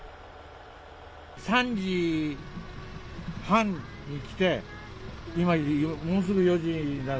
３時半に来て、今、もうすぐ４時になる。